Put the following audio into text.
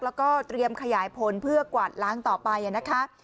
แล้วก็เตรียมขยายผลเพื่อกวาดล้างต่อไปนะคะ